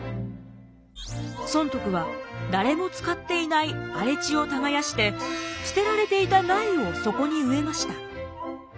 尊徳は誰も使っていない荒れ地を耕して捨てられていた苗をそこに植えました。